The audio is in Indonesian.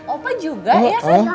opa juga ya